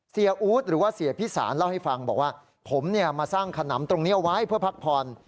เสียอู๊ดหรือว่าเสียพิสารเล่าให้ฟังบอกว่าผมเนี้ยมาสร้างขนำตรงเนี้ยไว้เพื่อพักพร